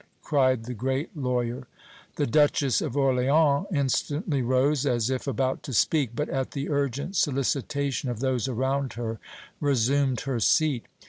cried the great lawyer. The Duchess of Orléans instantly rose, as if about to speak, but, at the urgent solicitation of those around her, resumed her seat.